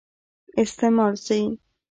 استعمال سي.